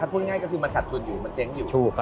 ถ้าพูดง่ายมันขัดกฎอยู่มันเจ๊งอยู่